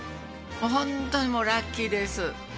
本当にラッキーです。